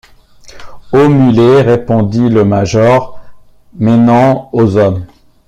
Aux mulets, répondit le major, mais non aux hommes.